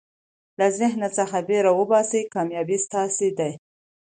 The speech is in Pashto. د ذهن څخه بېره وباسئ، کامیابي ستاسي ده.